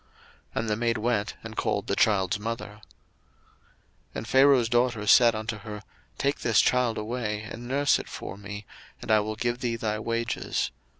And the maid went and called the child's mother. 02:002:009 And Pharaoh's daughter said unto her, Take this child away, and nurse it for me, and I will give thee thy wages.